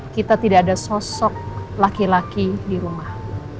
kita tidak ada sosok laki laki di rumah